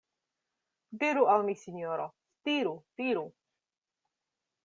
Diru al mi, sinjoro, diru, diru!